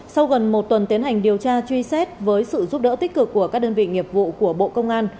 sau gần một tuần tiến hành điều tra truy xét với sự giúp đỡ tích cực của các đơn vị nghiệp vụ của bộ công an